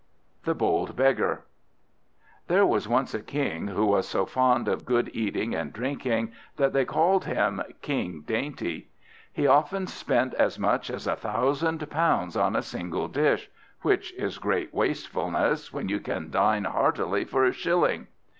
THE BOLD BEGGAR There was once a King who was so fond of good eating and drinking that they called him King Dainty. He often spent as much as a thousand pounds on a single dish; which is great wastefulness, when you can dine heartily for a shilling.